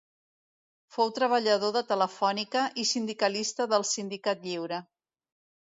Fou treballador de telefònica i sindicalista del Sindicat Lliure.